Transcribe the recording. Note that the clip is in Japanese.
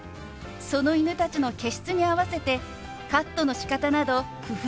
その犬たちの毛質に合わせてカットのしかたなど工夫しています。